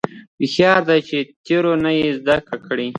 هوښیاري دا ده چې د تېرو نه زده کړې.